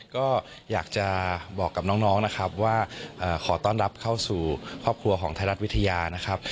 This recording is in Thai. ก็อยากจะบอกกับน้องนะครับว่าขอต้อนรับเข้าสู่ครอบครัวของไทยรัฐวิทยานะครับ